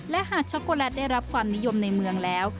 และหากช็อกโกแลตได้รับความนิยมในเมืองแล้ว